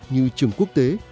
như trường quốc tế